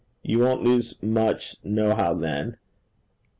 You won't lose much nohow then.